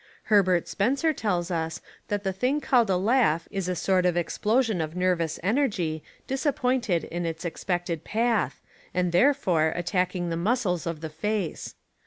Herbert Spencer tells us that the thing called a laugh is a sort of explosion of nervous energy, disap pointed in its expected path, and therefore at tacking the muscles of the face.